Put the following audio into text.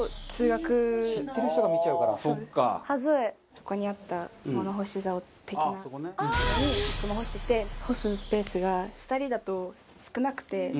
そこにあった物干しざお的なのにいつも干してて干すスペースが２人だと少なくて。